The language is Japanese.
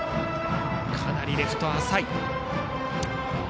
かなりレフトは浅い。